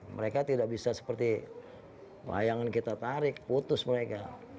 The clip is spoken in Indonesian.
mereka tidak bisa seperti layangan kita tarik putus mereka